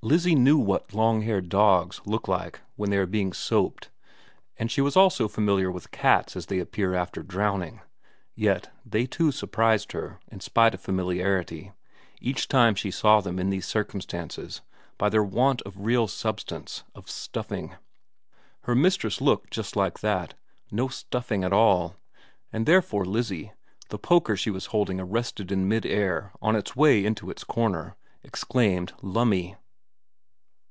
Lizzie knew what long haired dogs look like when they are being soaped, and she was also familiar with cats as they appear after drowning ; yet they too surprised her, in spite of familiarity, each time she saw them in these circum stances by their want of real substance, of stuffing. 220 VERA xx Her mistress looked just like that, no stuffing at all ; and therefore Lizzie, the poker she was holding arrested in mid air on its way into its corner, exclaimed Lumme.